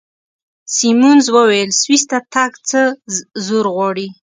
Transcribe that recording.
سیمونز وویل: سویس ته تګ څه زور غواړي؟